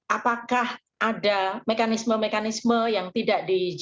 apakah ada mekanisme mekanisme yang tidak dijaga